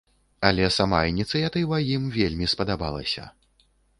Але сама ініцыятыва ім вельмі спадабалася.